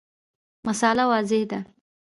مسأله واضحه ده.